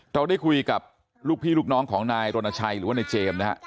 เราได้คุยกับลูกพี่ลูกน้องของนายรณชัยหรือว่านายเจมส์นะฮะ